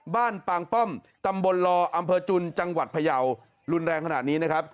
ปางป้อมตำบลลออำเภอจุนจังหวัดพยาวรุนแรงขนาดนี้นะครับ